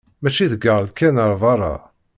mačči ḍegger-d kan ar berra.